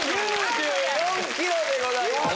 ９４ｋｇでございます。